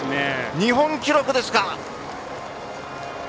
日本記録ですね。